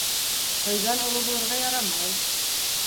Һыйҙан оло булырға ярамай.